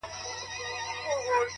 ژوند مي هيڅ نه دى ژوند څه كـړم ـ